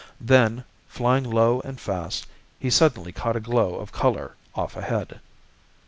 Then, flying low and fast, he suddenly caught a glow of color off ahead.